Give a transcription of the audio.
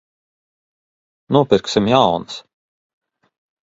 Nopirksim jaunas.